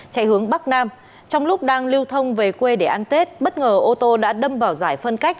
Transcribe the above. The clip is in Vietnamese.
chạy hướng bắc nam trong lúc đang lưu thông về quê để ăn tết bất ngờ ô tô đã đâm vào giải phân cách